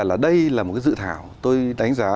là đây là một cái dự thảo tôi đánh giá